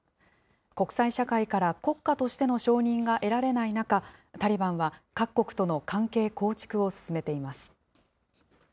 国際社会から国家としての承認が得られない中、タリバンは各国との関係構築を進めています。